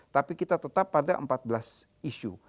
tapi kita tetap pada empat belas isu